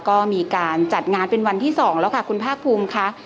ก็มีการจัดงานเป็นวันที่๒แล้วค่ะคุณภาคภูมิค่ะ